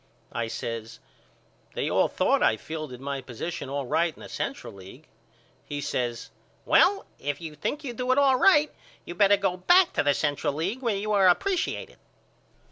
I says They all thought I fielded my position all right in the Central League. He says Well if you think you do it all right you better go back to the Central League where you are appresiated.